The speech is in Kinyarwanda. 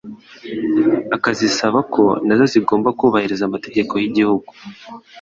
akazisaba ko na zo zigomba kubahiriza amategeko y'igihugu